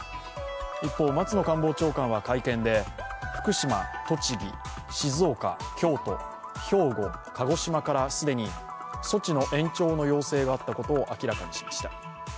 一方、松野官房長官は会見で福島、栃木、静岡、京都、兵庫、鹿児島から既に措置の延長の要請があったことを明らかにしました。